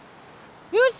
よし！